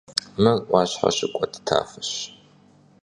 Mır 'Uaşhe şıkued tafeş.